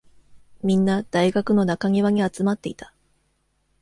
みんな、大学の中庭に集まっていた。